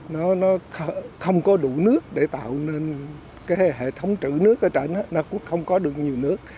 nó không có đủ nước để tạo nên hệ thống trữ nước nó cũng không có được nhiều nước